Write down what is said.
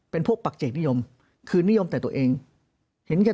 เพราะอาชญากรเขาต้องปล่อยเงิน